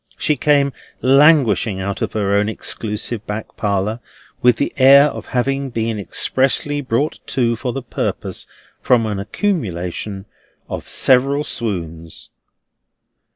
She came languishing out of her own exclusive back parlour, with the air of having been expressly brought to for the purpose, from an accumulation of several swoons.